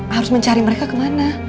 harus mencari mereka kemana